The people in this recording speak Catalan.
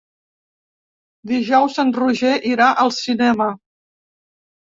Dijous en Roger irà al cinema.